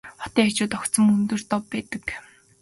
Хотын хажууд огцом өндөр дов байдаг.